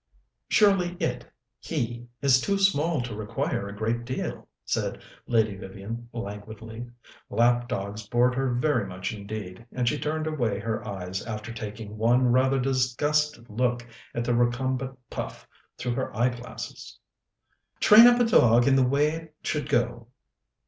"Surely it he is too small to require a great deal," said Lady Vivian languidly. Lap dogs bored her very much indeed, and she turned away her eyes after taking one rather disgusted look at the recumbent Puff through her eyeglasses. "Train up a dog in the way it should go.